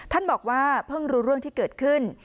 ท่านบอกว่าเพิ่งรู้เรื่องที่เกิดขึ้น